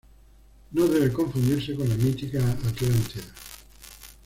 No debe confundirse con la mítica Atlántida.